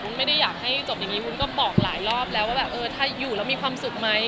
ไม่ได้อยากให้จบอย่างนี้วุ้นก็บอกหลายรอบแล้วว่าแบบเออถ้าอยู่แล้วมีความสุขไหม